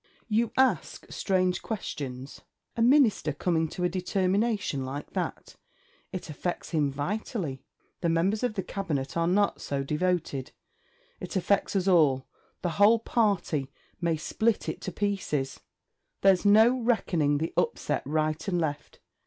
You ask strange questions. A Minister coming to a determination like that! It affects him vitally. The members of the Cabinet are not so devoted.... It affects us all the whole Party; may split it to pieces! There's no reckoning the upset right and left.